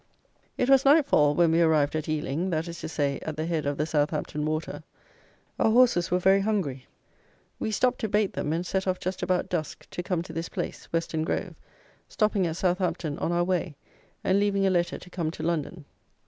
It was night fall when we arrived at Eling, that is to say, at the head of the Southampton Water. Our horses were very hungry. We stopped to bait them, and set off just about dusk to come to this place (Weston Grove), stopping at Southampton on our way, and leaving a letter to come to London.